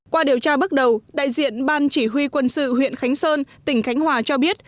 qua điều tra bước đầu đại diện ban chỉ huy quân sự huyện khánh sơn tỉnh khánh hòa cho biết